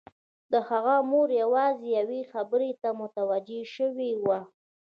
د هغه مور یوازې یوې خبرې ته متوجه شوې وه